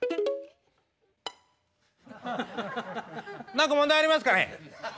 何か問題ありますかね。